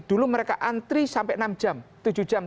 dulu mereka antri sampai enam jam tujuh jam